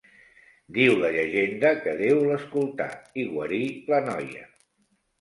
Diu la llegenda que Déu l'escoltà i guarí la noia.